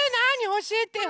おしえてよ！